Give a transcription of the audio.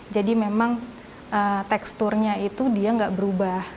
jadi memang teksturnya itu dia nggak berubah